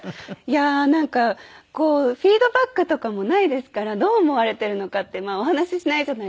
なんかフィードバックとかもないですからどう思われてるのかってお話ししないじゃないですか。